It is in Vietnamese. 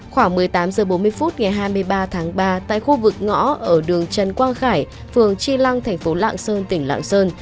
khoảng một mươi tám h bốn mươi phút ngày hai mươi ba tháng ba tại khu vực ngõ ở đường trần quang khải phường tri lăng thành phố lạng sơn tỉnh lạng sơn